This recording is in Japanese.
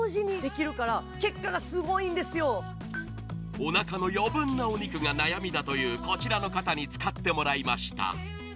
おなかの余分なお肉が悩みだというこちらの方に使っていただきました。